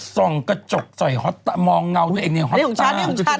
ส่องกระจกใส่ฮ็อตต้ามองเงาตัวเองเนี่ยฮ็อตต้า